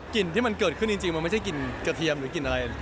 ที่มันเกิดขึ้นจริงมันไม่ใช่กลิ่นกระเทียมหรือกลิ่นอะไร